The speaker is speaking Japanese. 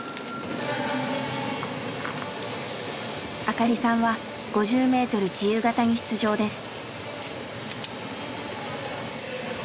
明香里さんは５０ｍ自由形に出場です。